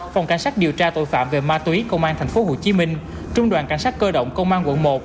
phòng cảnh sát điều tra tội phạm về ma túy công an tp hcm trung đoàn cảnh sát cơ động công an quận một